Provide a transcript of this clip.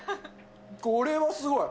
これはすごい！